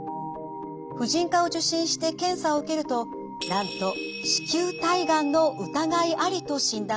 婦人科を受診して検査を受けるとなんと子宮体がんの疑いありと診断されたのです。